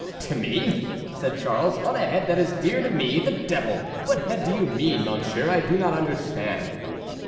"To me!" said Charles; "on a head that is dear to me! The devil! what head do you mean, monsieur? I do not understand."